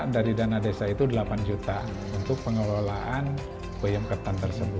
dari dana desa itu delapan juta untuk pengelolaan peyem ketan tersebut